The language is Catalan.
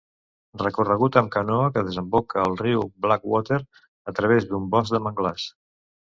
Recorregut amb canoa que desemboca al riu Blackwater a través d'un bosc de manglars.